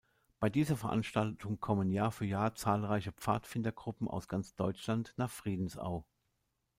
Bei dieser Veranstaltung kommen Jahr für Jahr zahlreiche Pfadfindergruppen aus ganz Deutschland nach Friedensau.